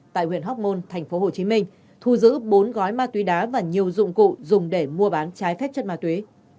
tại huyện hóc môn thành phố hồ chí minh thu giữ bốn gói ma túy đá và nhiều dụng cụ dùng để mua bán trái phép chất ma túy